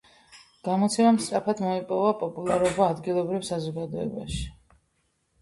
გამოცემამ სწრაფად მოიპოვა პოპულარობა ადგილობრივ საზოგადოებაში.